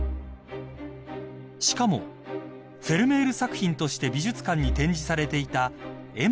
［しかもフェルメール作品として美術館に展示されていた］